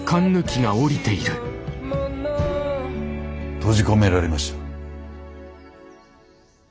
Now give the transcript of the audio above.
閉じ込められました。